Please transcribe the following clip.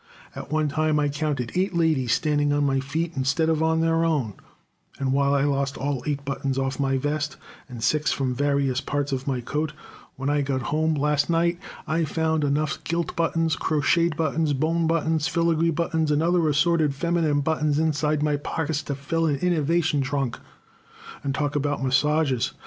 At one time I counted eight ladies standing on my feet instead of on their own; and while I lost all eight buttons off my vest, and six from various parts of my coat, when I got home last night I found enough gilt buttons, crocheted buttons, bone buttons, filagree buttons, and other assorted feminine buttons, inside my pockets to fill an innovation trunk. And talk about massages!